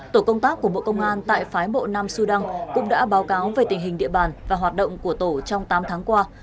tổ công tác của bộ công an tại phái bộ nam sudan cũng đã báo cáo về tình hình địa bàn và hoạt động của tổ trong tám tháng qua